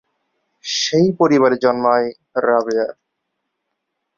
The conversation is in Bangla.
সেই পরিবারে জন্মায় রাবেয়া।